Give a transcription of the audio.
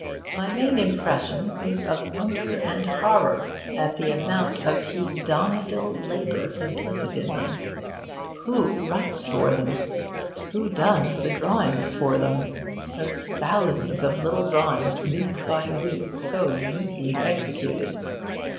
My main impression is of wonder and horror at the amount of hebdomadal labour implicit in them. Who writes for them? Who does the drawings for them those thousands of little drawings, week by week, so neatly executed?